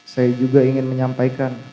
saya juga ingin menyampaikan